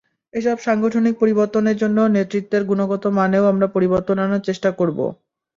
এসব সাংগঠনিক পরিবর্তনের জন্য নেতৃত্বের গুণগত মানেও আমরা পরিবর্তন আনার চেষ্টা করব।